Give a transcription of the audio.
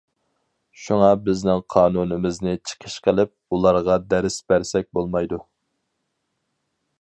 شۇڭا بىزنىڭ قانۇنىمىزنى چىقىش قىلىپ، ئۇلارغا دەرس بەرسەك بولمايدۇ.